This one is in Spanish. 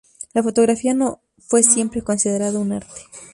La fotografía no fue siempre considerada un arte.